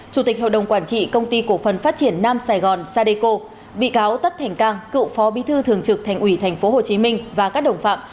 chủ tịch hội đồng quản trị công ty cổ phần phát triển nam sài gòn sadeco bị cáo tất thành cang cựu phó bí thư thường trực thành ủy tp hcm và các đồng phạm